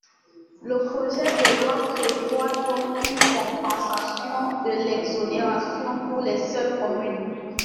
Le projet de loi prévoit donc une compensation de l’exonération pour les seules communes.